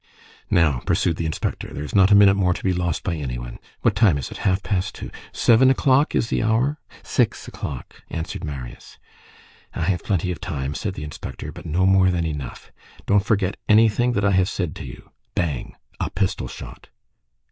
"Now," pursued the inspector, "there is not a minute more to be lost by any one. What time is it? Half past two. Seven o'clock is the hour?" "Six o'clock," answered Marius. "I have plenty of time," said the inspector, "but no more than enough. Don't forget anything that I have said to you. Bang. A pistol shot."